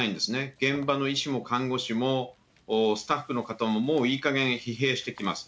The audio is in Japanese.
現場の医師も看護師もスタッフの方も、もういいかげん疲弊してきます。